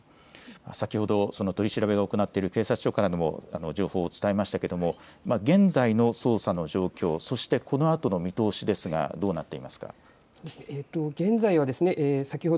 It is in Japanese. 先ほどその取り調べを行っている警察署から情報をお伝えしましたが現在の捜査の状況、そしてこのあとの見通しどうなっていますか。